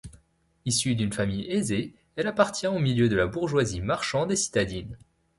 Issue d'une famille aisée, elle appartient au milieu de la bourgeoisie marchande et citadine.